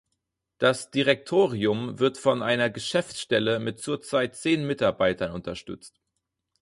Das Direktorium wird von einer Geschäftsstelle mit zurzeit zehn Mitarbeitern unterstützt.